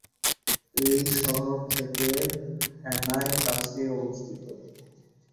এই শহর থেকে হ্যানয় কাছেই অবস্থিত।